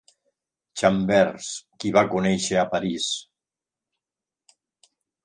Chambers, qui va conèixer a París.